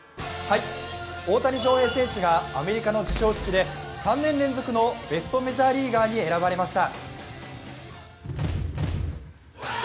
大谷翔平選手がアメリカの授賞式で３年連続のベストメジャーリーガーに選ばれました。